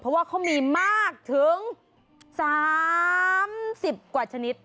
เพราะว่าเขามีมากถึง๓๐กว่าชนิด